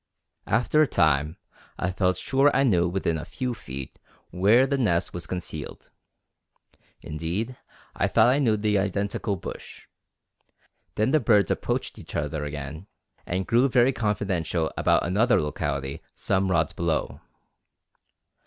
After a time I felt sure I knew within a few feet where the nest was concealed. Indeed, I thought I knew the identical bush. Then the birds approached each other again and grew very confidential about another locality some rods below.